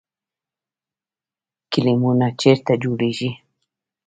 ګلیمونه چیرته جوړیږي؟